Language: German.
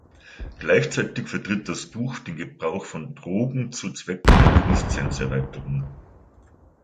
Gleichzeitig vertritt das Buch den Gebrauch von Drogen zu Zwecken der Bewusstseinserweiterung.